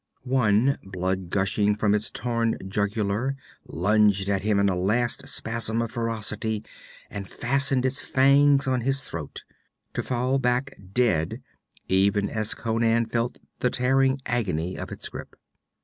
One, blood gushing from its torn jugular, lunged at him in a last spasm of ferocity, and fastened its fangs on his throat to fall back dead, even as Conan felt the tearing agony of its grip.